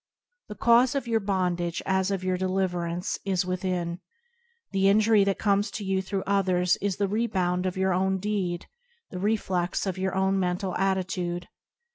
The cause of your bondage as of your deliverance is with in. The injury that comes to you through others is the rebound of your own deed, the reflex of your own mental attitude.